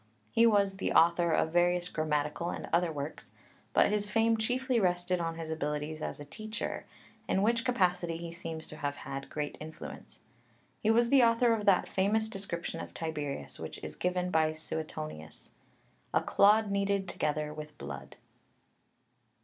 He was the author of various grammatical and other works, but his fame chiefly rested on his abilities as a teacher, in which capacity he seems to have had great influence (Pauly). He was the author of that famous description of Tiberius which is given by Suetonius (Tib. 57), πηλὸς αἵματι πεφυραμένος, "A clod kneaded together with blood."